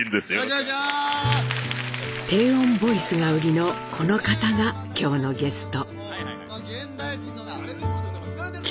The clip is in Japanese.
低音ボイスが売りのこの方が今日のゲスト。